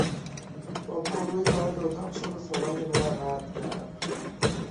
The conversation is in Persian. با پررویی وارد اتاق شد و صحبت ما را قطع کرد.